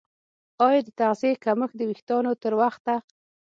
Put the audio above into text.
ایا د تغذیې کمښت د ویښتانو تر وخته